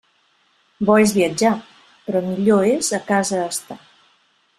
Bo és viatjar, però millor és a casa estar.